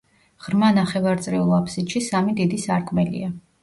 ღრმა ნახევარწრიულ აფსიდში სამი დიდი სარკმელია.